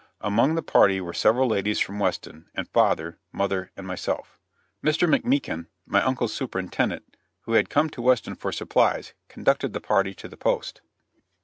Among the party were several ladies from Weston, and father, mother and myself. Mr. McMeekan, my uncle's superintendent, who had come to Weston for supplies, conducted the party to the post.